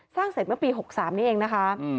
สร้างเสร็จเมื่อปี๖๓นี้เองนะคะ